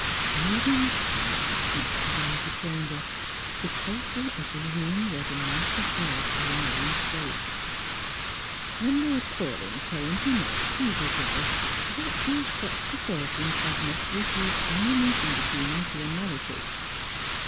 Soothing silence must pervade the chamber — sepulchral as the room where the mighty dead he in state. When Lord Paulyn came, he mightsee his wife, but with such precautions as must reduce any ineeting between them to a nullity.